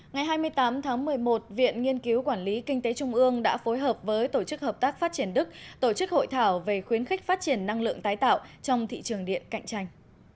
ngày hai mươi tám tháng một mươi một viện nghiên cứu quản lý kinh tế trung ương đã phối hợp với tổ chức hợp tác phát triển đức tổ chức hội thảo về khuyến khích phát triển năng lượng tái tạo trong thị trường điện cạnh tranh